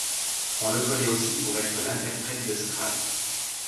On le connaît aussi pour être l'interprète de Scrat.